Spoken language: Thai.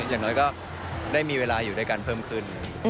อย่างน้อยก็ได้มีเวลาอยู่ด้วยกันเพิ่มขึ้น